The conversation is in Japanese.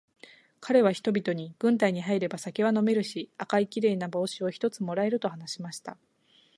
かれは人々に、軍隊に入れば酒は飲めるし、赤いきれいな帽子を一つ貰える、と話しました。